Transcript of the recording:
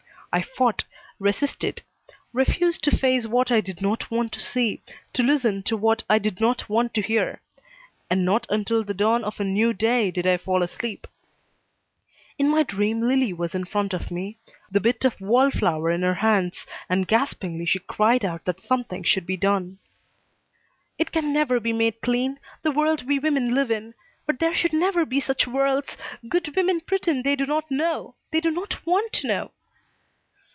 I fought, resisted; refused to face what I did not want to see, to listen to what I did not want to hear; and not until the dawn of a new day did I fall asleep. In my dream Lillie was in front of me, the bit of wall flower in her hands, and gaspingly she cried out that something should be done. "It can never be made clean, the world we women live in. But there should never be such worlds. Good women pretend they do not know. They do not want to know!"